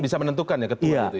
oh bisa menentukan ya ketua itu ya